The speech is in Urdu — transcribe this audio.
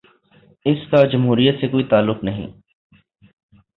اس کا جمہوریت سے کوئی تعلق نہیں۔